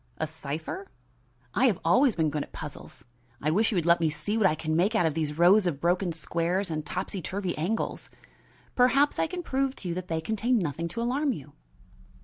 "A cipher?" "I have always been good at puzzles. I wish you would let me see what I can make out of these rows of broken squares and topsy turvy angles. Perhaps I can prove to you that they contain nothing to alarm you."